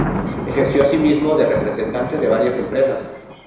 Ejerció asimismo de representante de varias empresas.